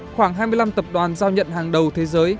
khoảng hai mươi năm tập đoàn giao nhận hàng đầu thế giới